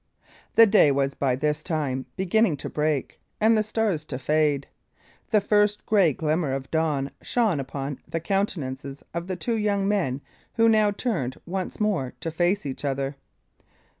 The day was by this time beginning to break, and the stars to fade. The first grey glimmer of dawn shone upon the countenances of the two young men, who now turned once more to face each other.